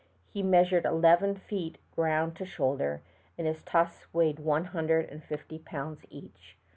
He measured eleven feet ground to shoulder, and his tusks weighed one hundred and fifty pounds each.